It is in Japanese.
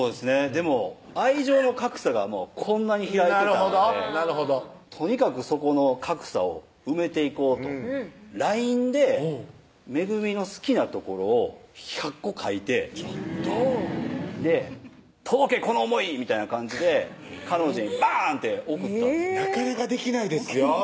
でも愛情の格差がこんなに開いてたんでとにかくそこの格差を埋めていこうとＬＩＮＥで恵の好きなところを１００個書いてちょっと届けこの思い！みたいな感じで彼女にバーンって送ったんですなかなかできないですよ